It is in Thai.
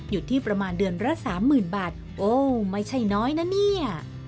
อยู่ที่ประมาณเดือนละสามหมื่นบาทโอ้ไม่ใช่น้อยนะเนี่ย